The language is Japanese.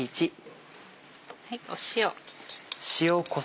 塩。